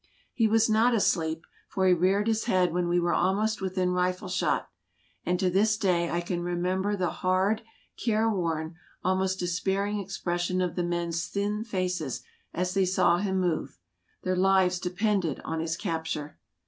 He was not asleep, for he reared his head when we were almost within rifle shot ; and to this day I can remember the hard, careworn, almost despairing expression of the men's thin faces as they saw him move; their lives depended on his capture.